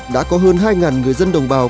đã có hơn hai người dân đồng bào